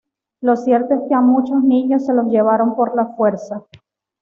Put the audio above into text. Lo cierto es que a muchos niños se los llevaron por la fuerza.